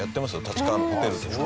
立川のホテルで。